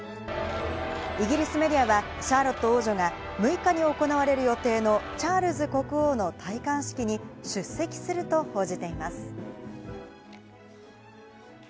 イギリスメディアはシャーロット王女が６日に行われる予定のチャールズ国王の戴冠式に出席すると報じています。